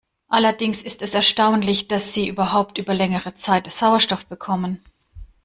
Allerdings ist es erstaunlich, dass sie überhaupt über längere Zeit Sauerstoff bekommen.